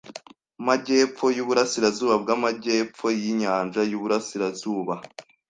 majyepfo yuburasirazuba bwamajyepfo yinyanja yuburasirazuba.